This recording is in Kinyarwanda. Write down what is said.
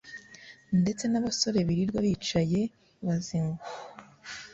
ndetse n’abasore birirwa bicaye bazinywa